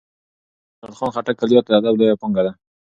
د خوشال خان خټک کلیات د ادب لویه پانګه ده.